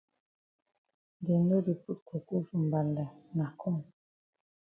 Dem no di put coco for mbanda na corn.